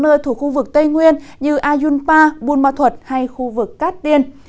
nhiều khu vực thuộc khu vực tây nguyên như ayunpa bunma thuật hay khu vực cát điên